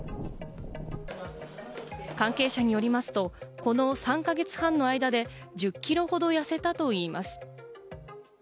関係者によりますと、この３か月半の間で、１０キロほど痩せたといいます。